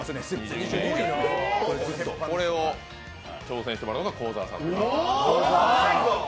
これを挑戦してもらうのが幸澤さんと。